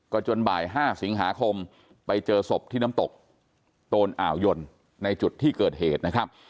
จนบ่าย๕สิงหาคมไปเจอศพที่น้ำตกโตนอ่าวยนในจุดที่เกิดเหตุนะครับ